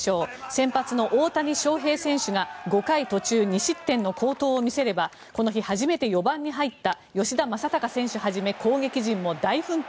先発の大谷翔平選手が５回途中２失点の好投を見せればこの日初めて４番に入った吉田正尚選手はじめ攻撃陣も大奮闘。